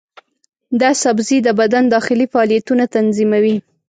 دا سبزی د بدن داخلي فعالیتونه تنظیموي.